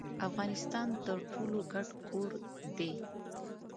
افغانستان د ټولو ګډ کور دي.